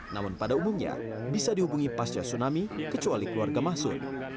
namun pada umumnya bisa dihubungi pasca tsunami kecuali keluarga mahsud